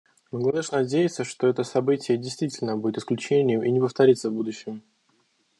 Бангладеш надеется, что это событие, действительно, будет исключением и не повторится в будущем.